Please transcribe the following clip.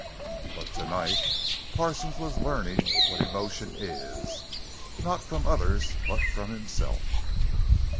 But tonight Parsons was learning what emotion is. Not from others, but from himself.